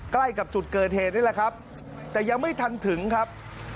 ใกล้กับจุดเกิดเหตุนี่แหละครับแต่ยังไม่ทันถึงครับ